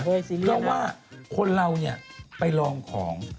เพราะว่าคนเราเนี่ยไปลองของ